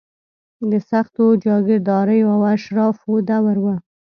د سختو جاګیرداریو او اشرافو دور و.